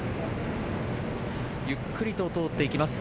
ゆっくりと通っていきます。